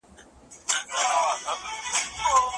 سياسي فکر په ځانګړي مانا سره لرغوني يونان ته رسيږي.